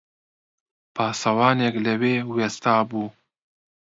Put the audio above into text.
پاسەوانێک لەوێ وێستابوو